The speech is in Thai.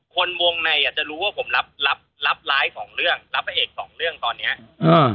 คนวงในอ่ะจะรู้ว่าผมรับรับร้ายสองเรื่องรับพระเอกสองเรื่องตอนเนี้ยอืม